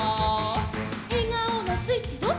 「えがおのスイッチどっち？」